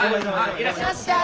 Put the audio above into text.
いらっしゃい。